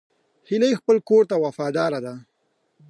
هیلۍ خپل کور ته وفاداره ده